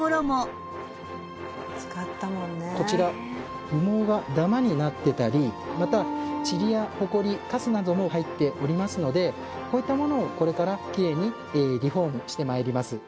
こちら羽毛がダマになっていたりまたチリやホコリカスなども入っておりますのでこういったものをこれからきれいにリフォームして参ります。